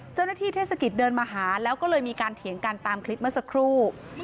เจ้าหน้าที่เทศกิตเดินมาหาแล้วก็เลยมีการเถียงกันตามคลิปมาสักครู่